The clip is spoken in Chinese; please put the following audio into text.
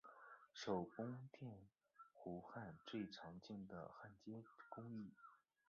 手工电弧焊最常见的焊接工艺。